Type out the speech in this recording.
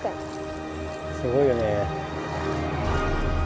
すごいよね。